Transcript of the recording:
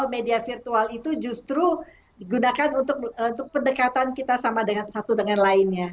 media virtual itu justru digunakan untuk pendekatan kita sama dengan satu dengan lainnya